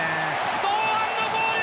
堂安のゴール。